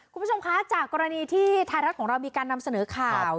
คุณผู้ชมคะจากกรณีที่ไทยรัฐของเรามีการนำเสนอข่าว